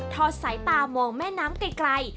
อดสายตามองแม่น้ำไกล